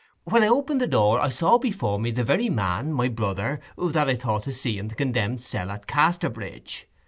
When I opened the door I saw before me the very man, my brother, that I thought to see in the condemned cell at Casterbridge.